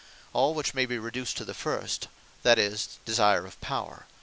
All which may be reduced to the first, that is Desire of Power.